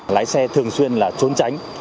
lái xe thường xuyên là trốn tránh